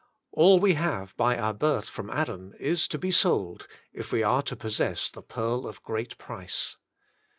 All we have by our birth from Adam, is to be sold, if we are to possess the pearl of great price.